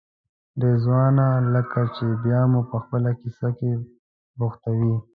رضوانه لکه چې بیا مو په خپله کیسه بوختوې.